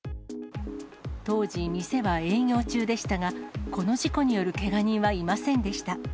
当時、店は営業中でしたが、この事故によるけが人はいませんでした。